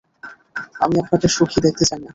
আমি আপনাকে সুখী দেখতে চাই না।